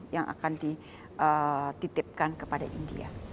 yang akan dititipkan kepada india